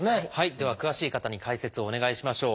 では詳しい方に解説をお願いしましょう。